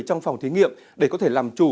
trong phòng thí nghiệm để có thể làm chủ